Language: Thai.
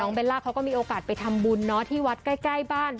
เบลล่าเขาก็มีโอกาสไปทำบุญที่วัดใกล้บ้าน